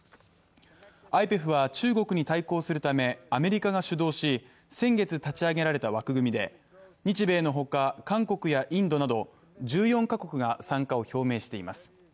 ＩＰＥＦは中国に対抗するためアメリカが主導し先月、立ち上げられた枠組みで日米のほか、韓国やインドなど１４カ国が参加を表明しています。